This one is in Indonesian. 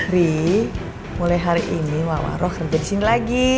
ri mulai hari ini wawaroh kerja di sini lagi